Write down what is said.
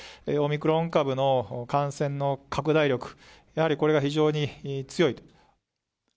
オミクロン株の感染の拡大力、やはりこれが非常に強いと。